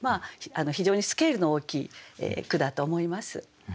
非常にスケールの大きい句だと思います。